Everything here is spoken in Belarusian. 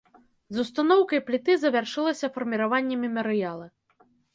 З устаноўкай пліты завяршылася фарміраванне мемарыяла.